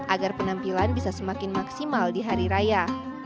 agar penampilan bisa semakin maksimal di hari raya